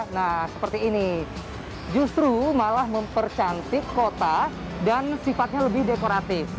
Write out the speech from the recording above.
nah seperti ini justru malah mempercantik kota dan sifatnya lebih dekoratif